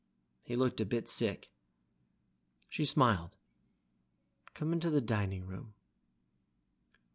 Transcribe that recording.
He looked a bit sick. She smiled. "Come into the dining room."